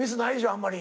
あんまり。